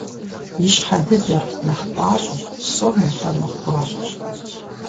Ищхьэ дыдэр, нэхъ пIащIэр, псом нэхърэ нэхъ гуащIэщ.